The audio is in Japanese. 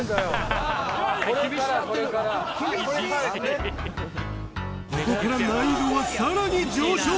ここから難易度は更に上昇